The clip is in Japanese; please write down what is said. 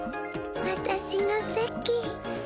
わたしのせき。